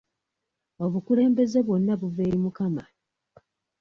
Obukulembeze bwonna buva eri Mukama.